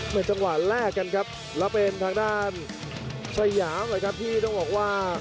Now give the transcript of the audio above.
จังหวะแลกกันครับแล้วเป็นทางด้านสยามเลยครับที่ต้องบอกว่า